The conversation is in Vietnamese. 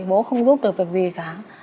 bố không giúp được việc gì cả